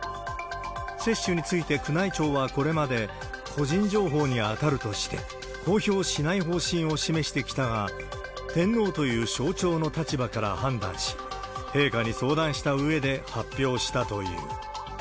接種について宮内庁はこれまで、個人情報に当たるとして、公表しない方針を示してきたが、天皇という象徴の立場から判断し、陛下に相談したうえで発表したという。